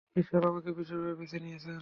ঈশ্বর আমাকে বিশেষভাবে বেছে নিয়েছেন।